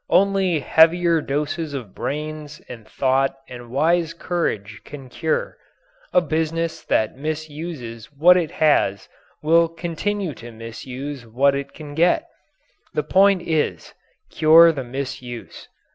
Only heavier doses of brains and thought and wise courage can cure. A business that misuses what it has will continue to misuse what it can get. The point is cure the misuse.